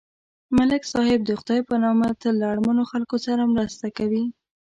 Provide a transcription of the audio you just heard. ملک صاحب د خدای په نامه تل له اړمنو خلکو سره مرسته کوي.